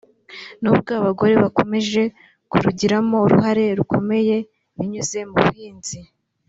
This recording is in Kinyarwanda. nubwo abagore bakomeje kurigiramo uruhare rukomeye binyuze mu buhinzi